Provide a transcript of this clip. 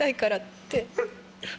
って。